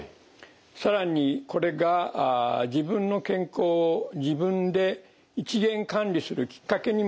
更にこれが自分の健康を自分で一元管理するきっかけにもなるというふうに期待されます。